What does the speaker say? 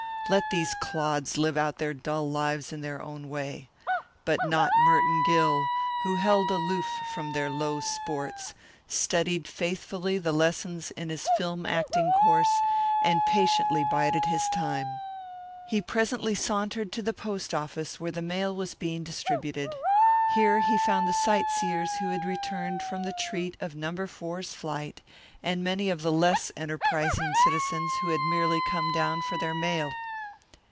Let these clods live out their dull lives in their own way. But not Merton Gill, who held aloof from their low sports, studied faithfully the lessons in his film acting course, and patiently bided his time. He presently sauntered to the post office, where the mail was being distributed. Here he found the sight seers who had returned from the treat of No. 4's flight, and many of the less enterprising citizens who had merely come down for their mail.